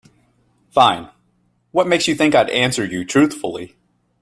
Fine, what makes you think I'd answer you truthfully?